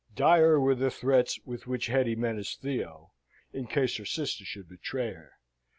Dire were the threats with which Hetty menaced Theo, in case her sister should betray her.